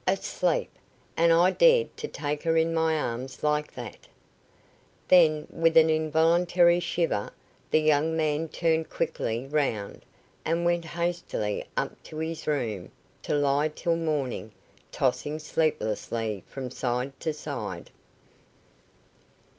"Asleep, and I dared to take her in my arms like that!" Then, with an involuntary shiver, the young man turned quickly round, and went hastily up to his room, to lie till morning, tossing sleeplessly from side to side.